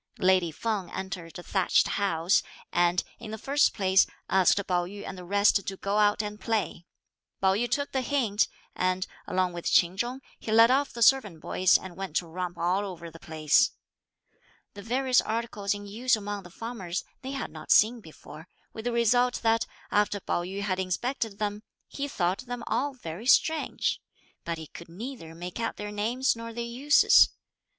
Lady Feng entered a thatched house, and, in the first place, asked Pao yü and the rest to go out and play. Pao yü took the hint, and, along with Ch'in Chung, he led off the servant boys and went to romp all over the place. The various articles in use among the farmers they had not seen before, with the result that after Pao yü had inspected them, he thought them all very strange; but he could neither make out their names nor their uses.